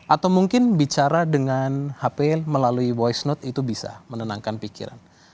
atau mungkin bicara dengan hp melalui voice note itu bisa menenangkan pikiran